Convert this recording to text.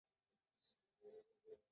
因为他未正式登基加冕且有争议。